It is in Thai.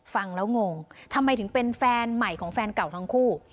ฟังแล้วงงทำไมถึงเป็นแฟนใหม่ของแฟนเก่าทั้งคู่